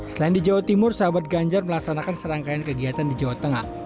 selain di jawa timur sahabat ganjar melaksanakan serangkaian kegiatan di jawa tengah